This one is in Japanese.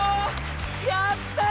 やった！